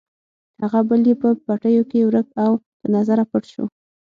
هغه بل یې په پټیو کې ورک او له نظره پټ شو.